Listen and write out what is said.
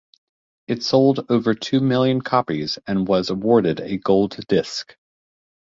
It sold over two million copies, and was awarded a gold disc.